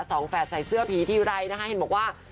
แฝดใส่เสื้อผีทีไรนะคะเห็นบอกว่า